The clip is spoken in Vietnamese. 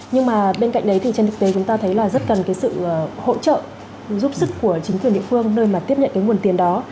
nhưng mà bên cạnh đấy thì trên thực tế chúng ta thấy là rất cần cái sự hỗ trợ giúp sức của chính quyền địa phương nơi mà tiếp nhận cái nguồn tiền đó